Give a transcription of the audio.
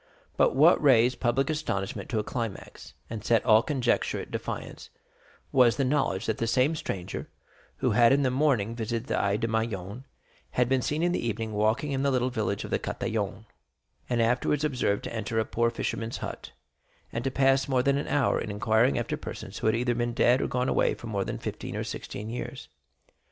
But what raised public astonishment to a climax, and set all conjecture at defiance, was the knowledge that the same stranger who had in the morning visited the Allées de Meilhan had been seen in the evening walking in the little village of the Catalans, and afterwards observed to enter a poor fisherman's hut, and to pass more than an hour in inquiring after persons who had either been dead or gone away for more than fifteen or sixteen years.